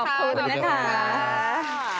ขอบคุณนะคะ